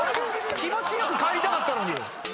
気持ち良く帰りたかったのに！